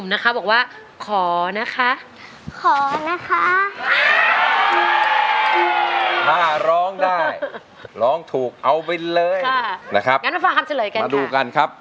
นะครับมาดูกันครับ